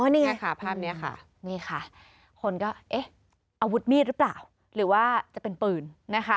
นี่ไงค่ะภาพนี้ค่ะนี่ค่ะคนก็เอ๊ะอาวุธมีดหรือเปล่าหรือว่าจะเป็นปืนนะคะ